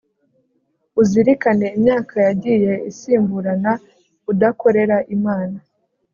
uzirikane imyaka yagiye isimburana udakorera imana,